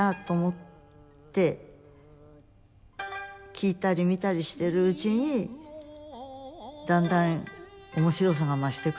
聴いたり見たりしてるうちにだんだん面白さが増してくるんじゃないでしょうかね。